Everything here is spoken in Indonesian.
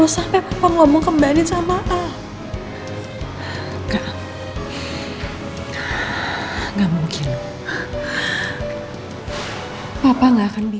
sampai jumpa di video selanjutnya